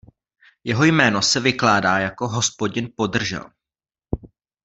Jeho jméno se vykládá jako "„Hospodin podržel“".